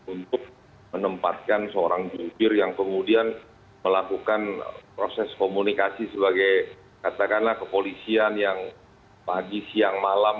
untuk menempatkan seorang jubir yang kemudian melakukan proses komunikasi sebagai katakanlah kepolisian yang pagi siang malam